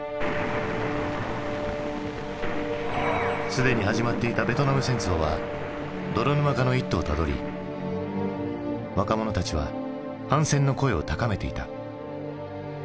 すでに始まっていたベトナム戦争は泥沼化の一途をたどり若者たちは反戦の声を高めていた。